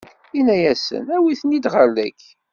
Inna-asen: Awit-ten-id ɣer dagi!